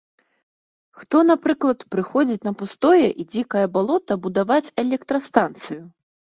Хто, напрыклад, прыходзіць на пустое і дзікае балота будаваць электрастанцыю?